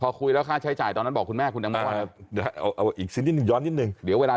พอคุยแล้วค่าใช้จ่ายตอนนั้นบอกคุณแม่คุณแตงโมงว่า